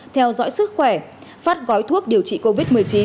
theo dõi sức khỏe phát gói thuốc điều trị covid một mươi chín